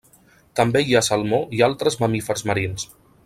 També hi ha salmó i altres mamífers marins.